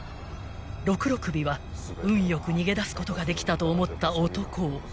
［ろくろ首は運よく逃げ出すことができたと思った男を］